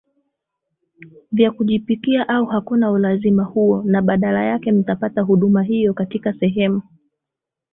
vya kujipikia au hakuna ulazima huo na badala yake mtapata huduma hiyo katika sehemu